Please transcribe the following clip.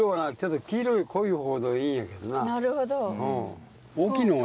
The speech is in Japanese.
なるほど。